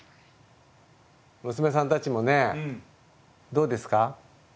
娘さんたちもねどうですか？